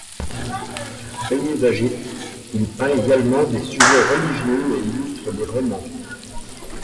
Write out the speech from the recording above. Paysagiste, il peint également des sujets religieux et illustre des romans.